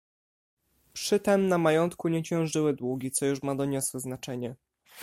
"Przy tem na majątku nie ciążyły długi, co już ma doniosłe znaczenie."